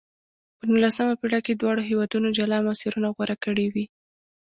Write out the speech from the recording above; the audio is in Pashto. په نولسمه پېړۍ کې دواړو هېوادونو جلا مسیرونه غوره کړې وې.